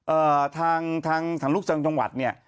เอ่อทางทางลูกเชิงจังหวัดเนี่ย